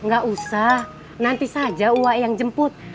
gak usah nanti saja uwa yang jemput